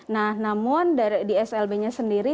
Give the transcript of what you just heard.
nah namun di slb nya sendiri